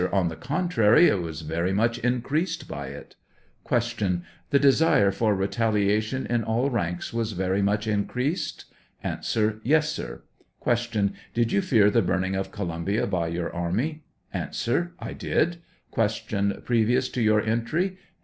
On the contrary, it was very much increased by it. Q. The desire for retaliation in all ranks was very much increased ? A. Yes, sir. Q. Did you fear the burning of Columbia by your army ? A. I did. Q. Previous to your entry